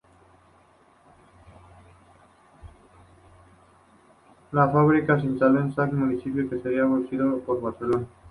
La fábrica se instaló en Sants, municipio que sería absorbido por Barcelona.